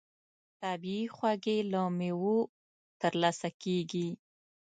طبیعي خوږې له مېوو ترلاسه کېږي.